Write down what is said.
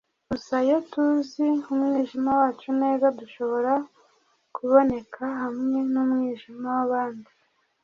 gusa iyo tuzi umwijima wacu neza dushobora kuboneka hamwe numwijima wabandi